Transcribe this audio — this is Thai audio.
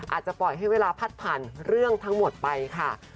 อาจจะปล่อยให้เวลาพัดผ่านเรื่องทั้งหมดไปค่ะ